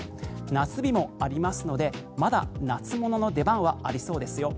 夏日もありますのでまだ夏物の出番はありそうですよ。